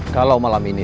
kalau malam ini